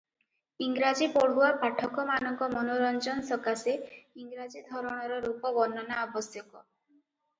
ଇଂରାଜୀ ପଢୁଆ ପାଠକମାନଙ୍କ ମନୋରଞ୍ଜନ ସକାଶେ ଇଂରାଜୀ ଧରଣର ରୂପ ବର୍ଣ୍ଣନା ଆବଶ୍ୟକ ।